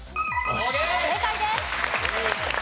正解です。